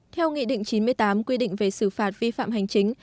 theo nghị định chín mươi tám quy định về xử phạt vi phạm hành chính